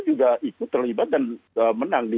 juga ikut terlibat dan menang di